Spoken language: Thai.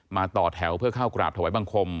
ต่อแถวเพื่อเข้ากราบถวายบังคม